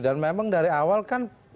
dan memang dari awal kan